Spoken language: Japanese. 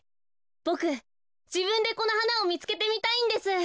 ボクじぶんでこのはなをみつけてみたいんです。